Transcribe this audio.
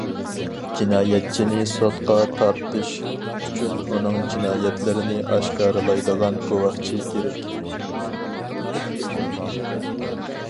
جىنايەتچىنى سوتقا تارتىش ئۈچۈن ئۇنىڭ جىنايەتلىرىنى ئاشكارىلايدىغان گۇۋاھچى كېرەك.